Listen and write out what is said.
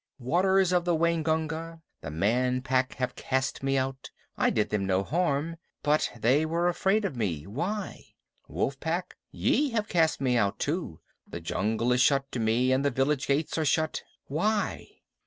Waters of the Waingunga, the Man Pack have cast me out. I did them no harm, but they were afraid of me. Why? Wolf Pack, ye have cast me out too. The jungle is shut to me and the village gates are shut. Why?